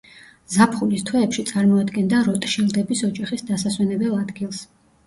ზაფხულის თვეებში წარმოადგენდა როტშილდების ოჯახის დასასვენებელ ადგილს.